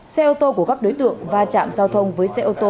xe ô tô của các đối tượng va chạm giao thông với xe ô tô